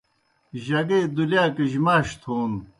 جگے دُلِیاکِجیْ ماش تھون